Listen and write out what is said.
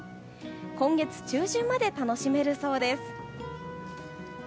今月中旬まで楽しめるそうです。